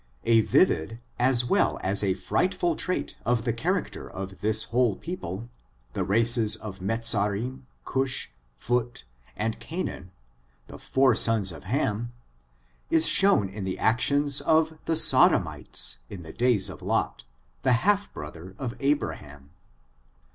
A vivid, as well as a frightful trait of the charac ter of this whole people, the races of Mezarim, Cush, Phut, and Canaan, the four sons of Ham, is shown in the actions of the Sodomites, in the days of Lot, the half brother of Abraham.